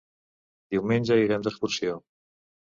Diumenge irem d'excursió.